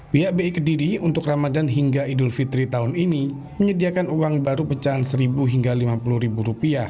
pihak bi kediri untuk ramadan hingga idul fitri tahun ini menyediakan uang baru pecahan rp satu hingga rp lima puluh